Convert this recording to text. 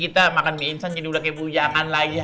kita makan mie instan jadi ula kebujakan lagi ya